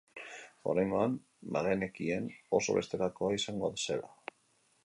Oraingoan, bagenekien oso bestelakoa izango zela.